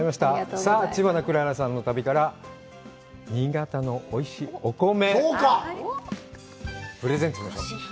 さあ、さあ、知花くららさんの旅から新潟のおいしいお米、プレゼントしましょう。